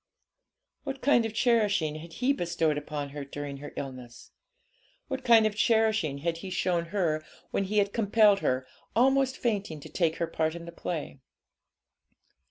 What kind of cherishing had he bestowed upon her during her illness? What kind of cherishing had he shown her when he had compelled her, almost fainting, to take her part in the play?